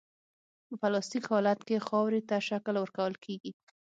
په پلاستیک حالت کې خاورې ته شکل ورکول کیږي